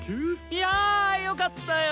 いやよかったヨ。